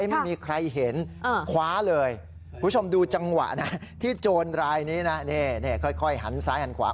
ไม่มีใครเห็นคว้าเลยคุณผู้ชมดูจังหวะนะที่โจรรายนี้นะค่อยหันซ้ายหันขวา